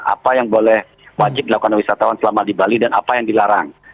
apa yang boleh wajib dilakukan oleh wisatawan selama di bali dan apa yang dilarang